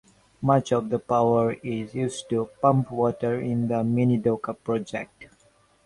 Much of the power is used to pump water in the Minidoka Project.